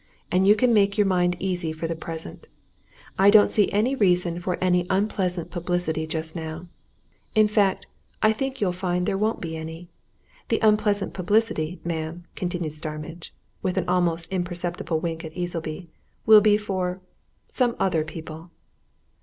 And you can make your mind easy for the present I don't see any reason for any unpleasant publicity just now in fact, I think you'll find there won't be any. The unpleasant publicity, ma'am," concluded Starmidge, with an almost imperceptible wink at Easleby, "will be for some other people."